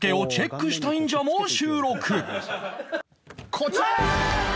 こちら！